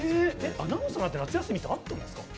アナウンサーって夏休みあったんですか。